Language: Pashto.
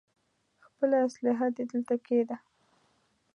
خپله اسلاحه دې دلته کېږده.